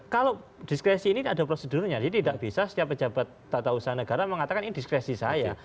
kalau diskresi ini ada prosedurnya jadi tidak bisa setiap pejabat tata usaha negara mengatakan ini diskresi saya